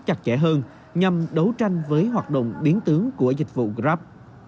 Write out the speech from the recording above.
chặt chẽ hơn nhằm đấu tranh với hoạt động biến tướng của dịch vụ grab